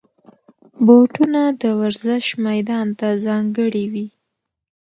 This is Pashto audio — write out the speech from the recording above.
بوټونه د ورزش میدان ته ځانګړي وي.